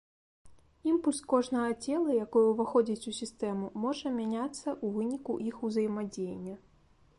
Імпульс кожнага цела, якое ўваходзіць у сістэму, можа мяняцца ў выніку іх узаемадзеяння.